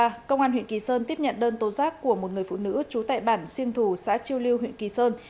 và công an huyện kỳ sơn tiếp nhận đơn tố giác của một người phụ nữ trú tại bản siêng thủ xã chiêu liêu huyện kỳ sơn